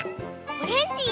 オレンジ。